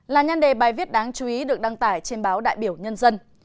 là nhân đề bài viết đáng chú ý được đăng tải trên báo đại biểu nhân dân